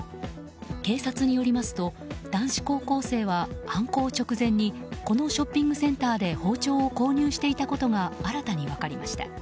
警察によりますと男子高校生は犯行直前にこのショッピングセンターで包丁を購入していたことが新たに分かりました。